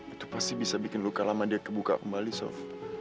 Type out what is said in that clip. itu pasti bisa bikin luka lama dia kebuka kembali sof